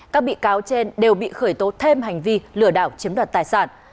các bị cáo trên đều bị khởi tố thêm hành vi lừa đảo chiếm đoạt tài sản